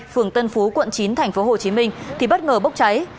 phường tân phú quận chín tp hcm thì bất ngờ bốc cháy